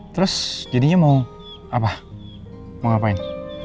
terus jadinya mau apa mau ngapain